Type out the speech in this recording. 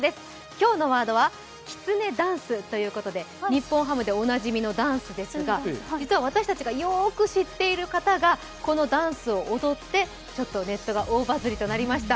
今日のワードはきつねダンスということで、日本ハムでおなじみのダンスですが、実は私たちがよーく知っている方がこのダンスを踊って、ちょっとネットが大バズりとなりました。